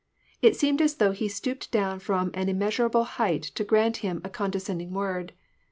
It seemed as though he stooped down from an immeasurable height to grant him a condescending word.